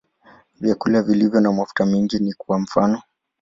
Vyakula vilivyo na mafuta mengi ni kwa mfano.